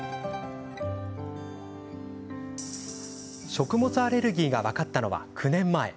食物アレルギーが分かったのは９年前。